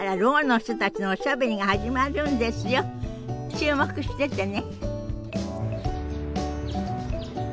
注目しててね。